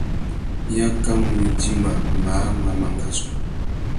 I akamú widjima māh má mangazú.